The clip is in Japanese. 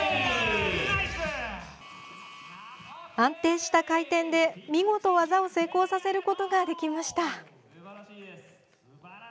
安定した回転で見事技を成功させることができました。